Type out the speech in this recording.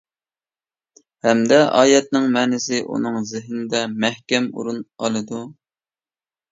ھەمدە ئايەتنىڭ مەنىسى ئۇنىڭ زېھنىدە مەھكەم ئورۇن ئالىدۇ.